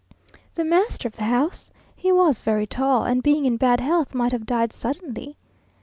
The master of the house? He was very tall, and being in bad health might have died suddenly.